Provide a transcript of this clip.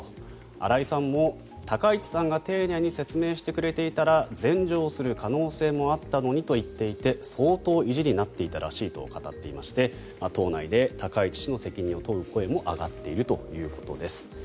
荒井さんも、高市さんが丁寧に説明してくれていたら禅譲する可能性もあったのにと言っていて相当意地になっていたらしいと語っていまして党内で高市氏の責任を問う声も上がっているということです。